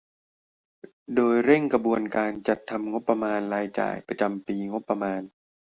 โดยเร่งกระบวนการจัดทำงบประมาณรายจ่ายประจำปีงบประมาณ